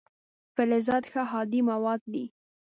فلزات ښه هادي مواد دي.